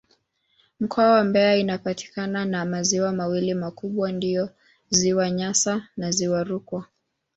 Mkoa wa Mbeya inapakana na maziwa mawili makubwa ndiyo Ziwa Nyasa na Ziwa Rukwa.